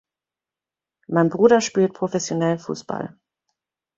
Mein Bruder spielt professionell Fußball.